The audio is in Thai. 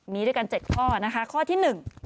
มีด้วยกัน๗ข้อนะคะข้อที่๑